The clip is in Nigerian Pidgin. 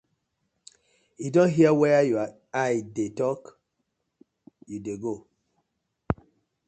Yu don hear where yur eye dey tak you dey go.